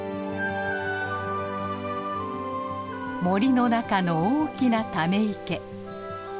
森の中の大きなため池。